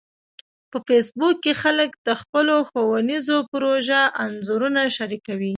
په فېسبوک کې خلک د خپلو ښوونیزو پروژو انځورونه شریکوي